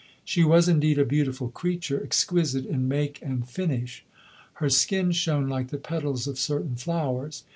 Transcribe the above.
She was indeed a beautiful creature, exquisite in make and finish. Her skin shone like the petals of certain flowers.